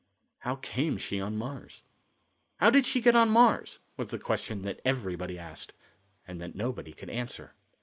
How Came She on Mars? "How did she get on Mars?" was the question that everybody asked, and that nobody could answer.